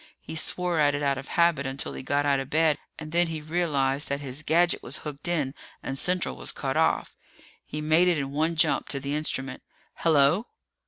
He swore at it out of habit until he got out of bed, and then he realized that his gadget was hooked in and Central was cut off. He made it in one jump to the instrument. "Hello!"